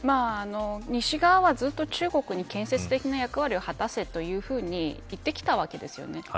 西側は、ずっと中国に建設的な役割を果たせというふうに言ってきたわけですよね。